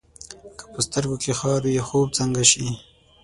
که په سترګو کې خار وي، خوب څنګه شي؟